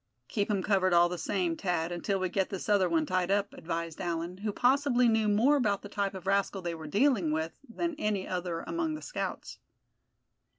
"Keep him covered, all the same, Thad, until we get this other one tied up," advised Allan, who possibly knew more about the type of rascal they were dealing with than any other among the scouts.